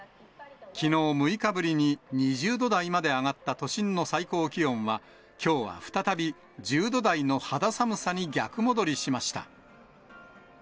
きのう６日ぶりに２０度台まで上がった都心の最高気温は、きょうは再び１０度台の肌寒さに逆戻りしました。